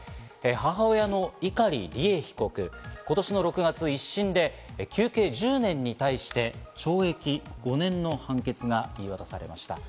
母親の碇利恵被告、今年の６月、１審で求刑１０年に対して、懲役５年の判決が言い渡されました。